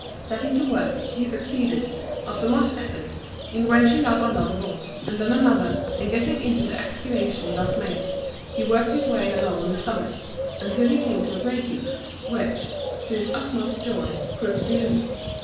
Setting to work, he succeeded, after much effort, in wrenching up another board, and then another, and getting into the excavation thus made, he worked his way along on his stomach, until he came to a grating, which, to his utmost joy, proved to be loose.